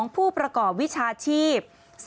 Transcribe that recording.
ผู้ประกอบวิชาชีพ